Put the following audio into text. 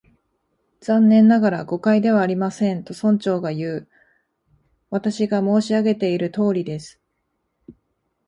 「残念ながら、誤解ではありません」と、村長がいう。「私が申し上げているとおりです」